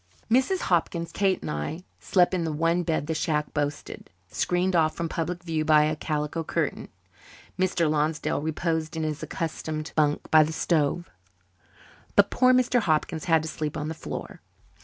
Mrs. Hopkins, Kate, and I slept in the one bed the shack boasted, screened off from public view by a calico curtain. Mr. Lonsdale reposed in his accustomed bunk by the stove, but poor Mr. Hopkins had to sleep on the floor.